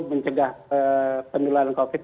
mencegah pendularan covid